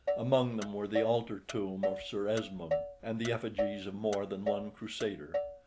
Among them were the altar tomb of Sir Esmoun, and the effigies of more than one Crusader.